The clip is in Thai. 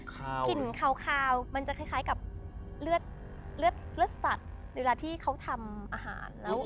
กลิ่นขาวมันจะคล้ายกับเลือดสัตว์เดี๋ยวเวลาที่เขาทำอาหาร